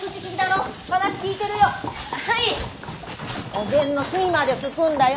お膳の隅まで拭くんだよ。